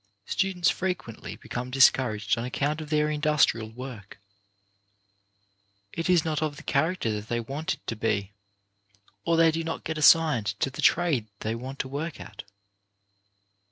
Students frequently become discouraged on account of their industrial work. It is not of the character that they want it to be, or they do not 5i 52 CHARACTER BUILDING get assigned to the trade they want to work at.